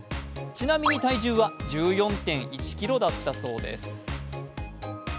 ちなみに、体重は１４．１ｋｇだったそうです。